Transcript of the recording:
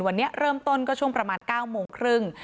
วันนี้เริ่มต้นก็ช่วงประมาณ๙โมงครึ่ง